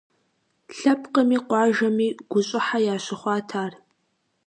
Лъэпкъми къуажэми гущӏыхьэ ящыхъуат ар.